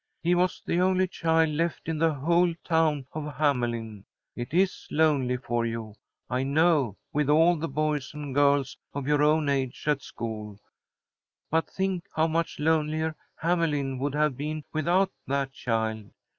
He was the only child left in the whole town of Hamelin. It is lonely for you, I know, with all the boys and girls of your own age away at school. But think how much lonelier Hamelin would have been without that child.